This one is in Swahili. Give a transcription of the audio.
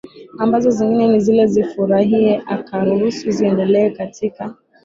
ambazo zingine na zile sifurahie akaruhusu ziendelee katika